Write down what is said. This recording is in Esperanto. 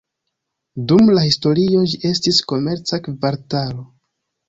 Dum la historio ĝi estis komerca kvartalo.